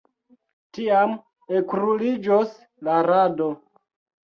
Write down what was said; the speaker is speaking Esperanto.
Tiam ekruliĝos la rado.